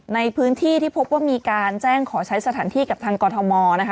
ในพื้นที่ที่พบว่ามีการแจ้งขอใช้สถานที่กับทางกรทมนะคะ